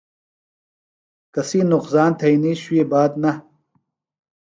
کسی نقصان تھئینی شوئی بات نہ۔